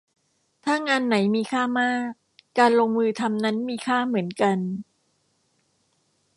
ถ้างานไหนมีค่ามาก การลงมือทำนั้นมีค่าเหมือนกัน